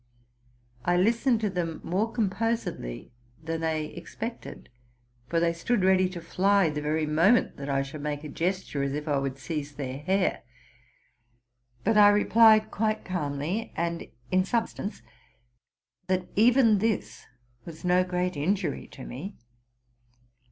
I listened to them more composedly than they expected, for 58 TRUTH AND FICTION they stood ready to fly the very moment that I should make a gesture as if I would seize their hair. But I replied quite calmly, and in substance, ''that even this was no great injury to me.